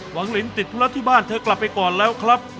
หวังลินติดธุระที่บ้านเธอกลับไปก่อนแล้วครับ